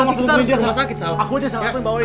kita harus ke rumah sakit sal